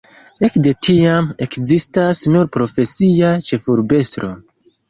Ekde tiam ekzistas nur profesia ĉefurbestro.